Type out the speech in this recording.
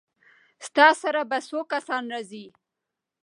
ستا سره به څو کسان راځي؟